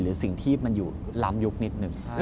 หรือสิ่งที่มันอยู่ล้ำยุคนิดนึง